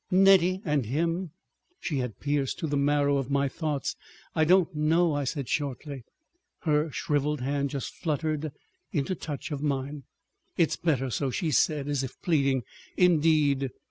"Nettie and—him." She had pierced to the marrow of my thoughts. "I don't know," I said shortly. Her shriveled hand just fluttered into touch of mine. "It's better so," she said, as if pleading. "Indeed